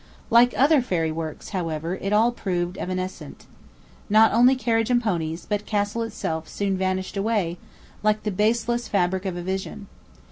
Like other fairy works, however, it all proved evanescent. Not only carriage and ponies, but castle itself, soon vanished away, 'like the baseless fabric of a vision.'